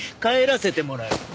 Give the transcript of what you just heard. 帰らせてもらう。